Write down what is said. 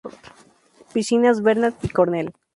Piscinas Bernat Picornell.